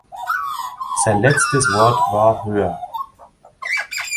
Sein letztes Wort war: Höher.